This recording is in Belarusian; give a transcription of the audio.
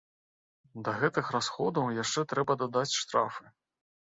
Да гэтых расходаў яшчэ трэба дадаць штрафы.